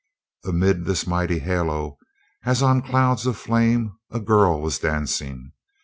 Amid this mighty halo, as on clouds of flame, a girl was dancing.